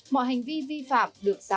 mọi hành vi vi phạm được giáo dục